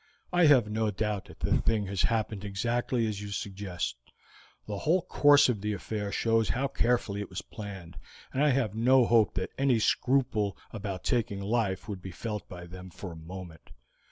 I have no doubt that the thing has happened exactly as you suggest; the whole course of the affair shows how carefully it was planned, and I have no hope that any scruple about taking life would be felt by them for a moment.